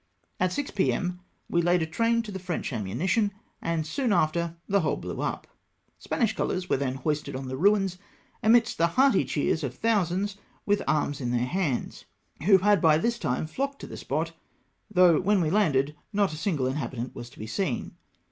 At 6 p.m. we laid a train to the French ammunition, and soon after tlie whole blew up. Spanish colours were then hoisted on the ruins, amidst the hearty cheers of thousands with arms in their hands, who had by this time flocked to the spot, though when we landed not a single inhabi tant was to be seen.